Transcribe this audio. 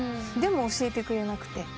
でも教えてくれなくて。